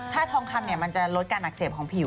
ถ้าทองคำมันจะลดการอักเสบของผิว